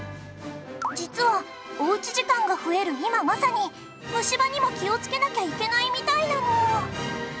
実はお家時間が増える今まさに虫歯にも気をつけなきゃいけないみたいなの。